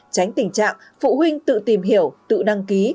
tránh tình trạng phụ huynh tự tìm hiểu tự đăng ký